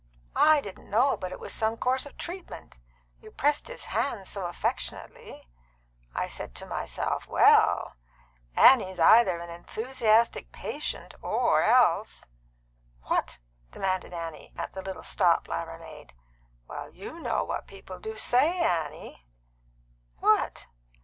"I didn't know but it was some course of treatment. You pressed his hand so affectionately. I said to myself, Well, Annie's either an enthusiastic patient, or else " "What?" demanded Annie, at the little stop Lyra made. "Well, you know what people do say, Annie." "What?"